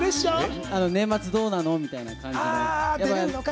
「年末どうなの？」みたいな。